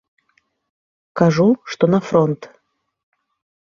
Кажу, што на фронт.